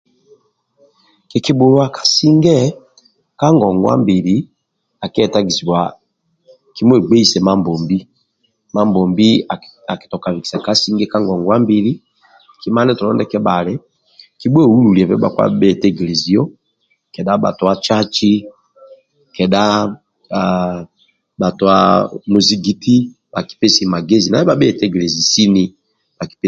Kikkibalua kasinge ka ngongwa mbili akietagisibwa kimwegbeise Mambombi Mambombi akitoka bikisa ka singe ka ngongwa mbili kima ndietolo ndia kebhali kobhueyoluliebe bhakpa ndi ha bhetegelezio kedha bhatua caci kedha bhatua muzigiti bhakipesie magezi nanga bhetegelezi sini